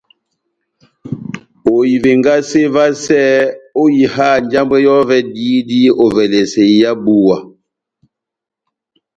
Ohivengase vasɛ ó iha njambwɛ yɔvɛ ediyidi ovɛlɛsɛ iha búwa.